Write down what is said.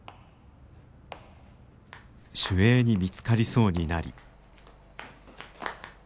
守衛に見つかりそうになり。